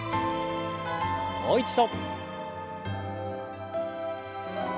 もう一度。